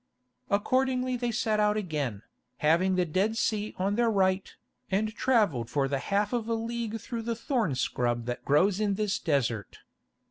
Accordingly they set out again, having the Dead Sea on their right, and travelled for the half of a league through the thorn scrub that grows in this desert.